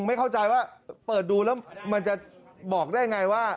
ไม่เข้าใจว่าเปิดดูแล้วมันจะบอกได้ไงว่า